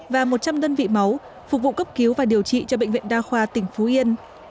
và một trăm linh đơn vị máu phục vụ cấp cứu và điều trị cho bệnh viện đa khoa tỉnh phú yên